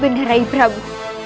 bener rai prabu